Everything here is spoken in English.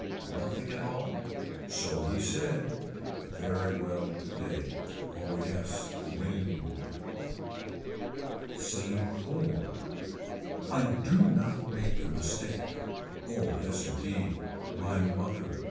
Nothing at all. So he said. Very well today. Oh yes the wind. SCENE IV. I do not make a mistake. Oh yes indeed. My mother.